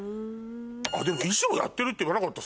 あっでも衣装やってるって言わなかった？